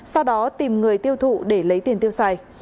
sau đó tìm người tiêu thụ để lấy tiền tiêu xài